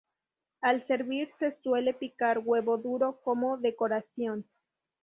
Al servir se suele picar huevo duro como decoración.